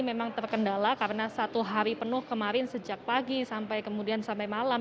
memang terkendala karena satu hari penuh kemarin sejak pagi sampai kemudian sampai malam